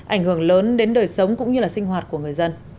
ảnh hưởng lớn đến đời sống cũng như là sinh hoạt của người dân